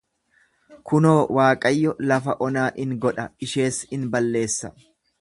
Kunoo, Waaqayyo lafa onaa in godha, ishees in balleessa.